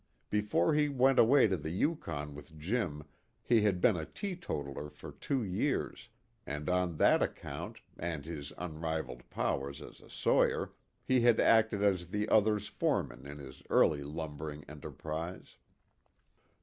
Before he went away to the Yukon with Jim he had been a teetotaler for two years, and on that account, and his unrivaled powers as a sawyer, he had acted as the other's foreman in his early lumbering enterprise.